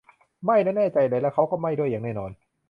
ไม่นะ แน่ใจเลย และเขาก็ไม่ด้วย อย่างแน่นอน